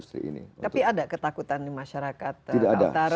tapi ada ketakutan di masyarakat kaltara